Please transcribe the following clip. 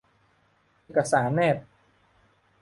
เอกสารแนบ